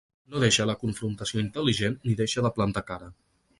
No deixa la confrontació intel·ligent ni deixa de plantar cara.